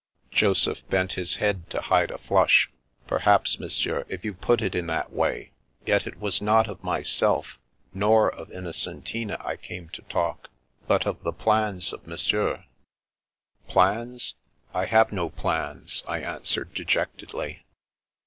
Joseph bent his head to hide a flush. " Perhaps, Monsieur, if you put it in that way. Yet it was not of myself nor of Innocentina I came to talk, but of the plans of Monsieur." 3i8 The Princess Passes U Plans? I've no plans," I answered dejectedly.